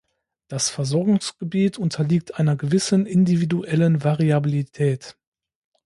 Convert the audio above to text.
Das Versorgungsgebiet unterliegt einer gewissen individuellen Variabilität.